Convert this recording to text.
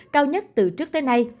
cao nhất từ trước tới nay